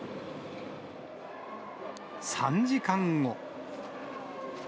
３時間後。